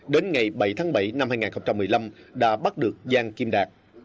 đến ngày bảy tháng bảy năm hai nghìn một mươi năm đã bắt được giang kim đạt